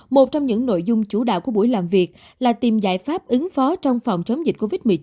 một trong những nội dung chủ đạo của buổi làm việc là tìm giải pháp ứng phó trong phòng chống dịch covid một mươi chín